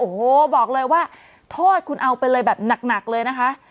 โอ้โหบอกเลยว่าโทษคุณเอาไปเลยแบบหนักเลยนะคะ